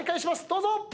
どうぞ！